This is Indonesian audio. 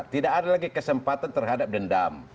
tidak ada lagi kesempatan terhadap dendam